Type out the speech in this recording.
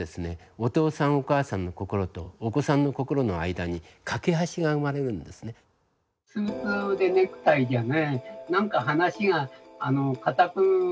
お父さんお母さんとの心とお子さんの心の間に架け橋が生まれるんですね。